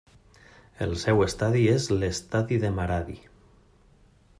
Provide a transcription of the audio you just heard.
El seu estadi és l'Estadi de Maradi.